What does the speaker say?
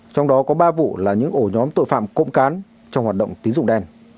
trong đó có ba vụ là những ổ nhóm tội phạm cộng cán trong hoạt động tiến dụng đèn